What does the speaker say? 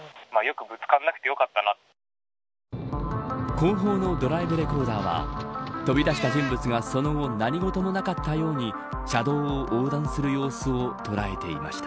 後方のドライブレコーダーは飛び出した人物がその後何ごともなかったように車道を横断する様子を捉えていました。